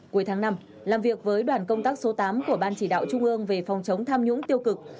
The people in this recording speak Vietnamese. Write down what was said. cuối tháng năm làm việc với đoàn công tác số tám của ban chỉ đạo trung ương về phòng chống tham nhũng tiêu cực